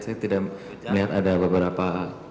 saya tidak melihat ada beberapa